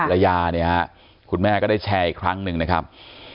ยาเนี่ยฮะคุณแม่ก็ได้แชร์อีกครั้งหนึ่งนะครับ